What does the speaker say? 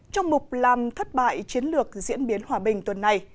trong mục làm thất bại chiến lược diễn biến hòa bình tuần này